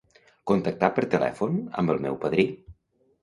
Contactar per telèfon amb el meu padrí.